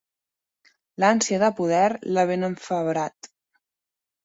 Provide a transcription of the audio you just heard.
L'ànsia de poder l'ha ben enfebrat.